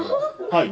はい。